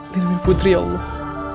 dinamai putri ya allah